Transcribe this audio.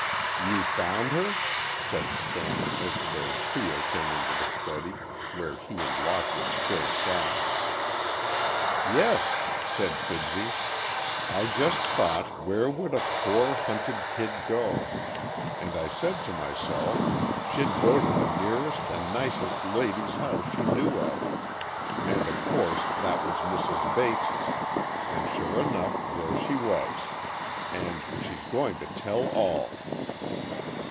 "You found her?" said Stone, as the trio came into the study, where he and Lockwood still sat. "Yes," said Fibsy. "I just thought where would a poor, hunted kid go? And I said to myself, she'd go to the nearest and nicest lady's house she knew of. And of course, that was Mrs. Bates' and sure enough there she was. And—she's going to tell all!"